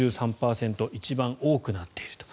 一番多くなっていると。